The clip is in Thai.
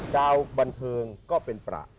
ดาวบันเทิงก็เป็นประ